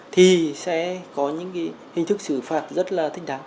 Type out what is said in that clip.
thì sẽ có những hình thức xử phạt rất là thích đáng